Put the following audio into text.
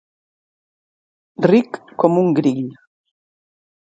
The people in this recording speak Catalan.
Ric com un grill.